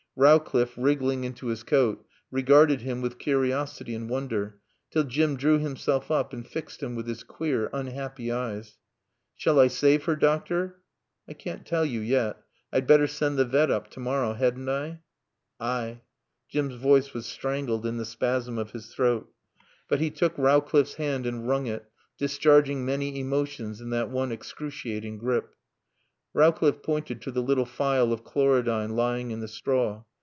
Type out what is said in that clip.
Rowcliffe, wriggling into his coat, regarded him with curiosity and wonder, till Jim drew himself up and fixed him with his queer, unhappy eyes. "Shall I save her, doctor?" "I can't tell you yet. I'd better send the vet up tomorrow hadn't I?" "Ay " Jim's voice was strangled in the spasm of his throat. But he took Rowcliffe's hand and wrung it, discharging many emotions in that one excruciating grip. Rowcliffe pointed to the little phial of chlorodyne lying in the straw.